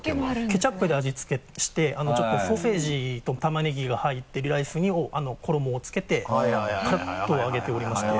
ケチャップで味付けしてちょっとソーセージとタマネギが入ってるライスに衣をつけてカラッと揚げておりまして。